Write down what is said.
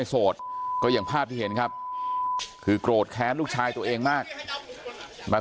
แค้นเหล็กเอาไว้บอกว่ากะจะฟาดลูกชายให้ตายเลยนะ